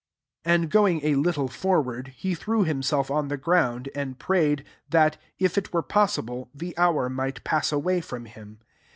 35 And going a little for ward, he threw himself on the ground, and prayed, that, if it were possible, the hour might pass away from him.